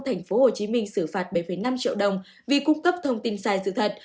tp hcm xử phạt bảy năm triệu đồng vì cung cấp thông tin sai sự thật